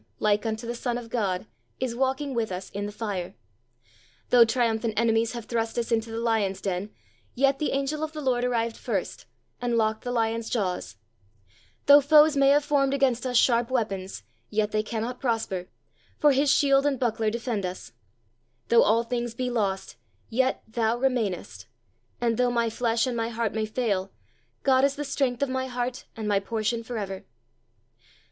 like unto the Son of God" is walking with us in the fire; though triumphant enemies have thrust us into the lions' den, yet the angel of the Lord arrived first and locked the lions' jaws; though foes may have formed against us sharp weapons, yet they cannot prosper, for His shield and buckler defend us; though all things be lost, yet "Thou remainest"; and though "my flesh and my heart may fail, God is the strength of my heart and my portion for ever."